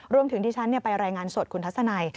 รวมถึงที่ฉันไปรายงานสดคุณทัศนัย